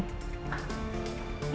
ya siapin dulu ya